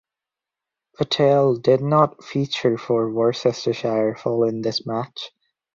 Patel did not feature for Worcestershire following this match.